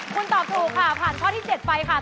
คุณตอบถูกค่ะผ่านข้อที่๗ไปค่ะ